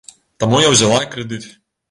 Таму я ўзяла крэдыт.